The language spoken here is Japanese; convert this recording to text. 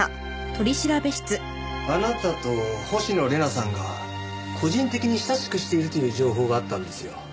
あなたと星野玲奈さんが個人的に親しくしているという情報があったんですよ。